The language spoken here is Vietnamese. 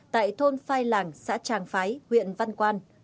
tại thôn phai làng xã tràng phái huyện văn quan